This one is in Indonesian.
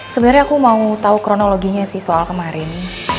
sebenernya aku mau tau kronologinya sih soal kemarin